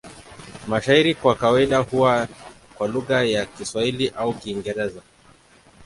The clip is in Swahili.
Mashairi kwa kawaida huwa kwa lugha ya Kiswahili au Kiingereza.